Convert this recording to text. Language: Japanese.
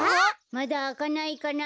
まだあかないかな。